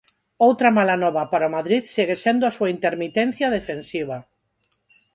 Outra mala nova para o Madrid segue sendo a súa intermitencia defensiva.